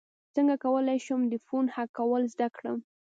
څنګه کولی شم د فون هک کول زده کړم